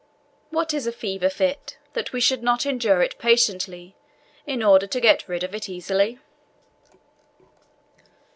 What is a fever fit, that we should not endure it patiently, in order to get rid of it easily?"